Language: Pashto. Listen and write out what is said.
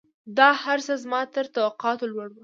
دا هرڅه زما تر توقعاتو لوړ وو.